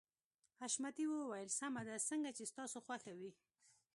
حشمتي وويل سمه ده څنګه چې ستاسو خوښه وي.